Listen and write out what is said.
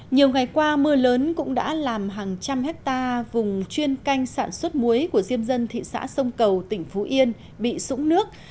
nhiều ngày qua mưa lớn cũng đã làm hàng trăm hectare vùng chuyên canh sản xuất muối của diêm dân thị xã sông cầu tỉnh phú yên bị sũng nước